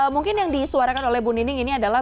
mungkin yang disuarakan oleh bu nining ini adalah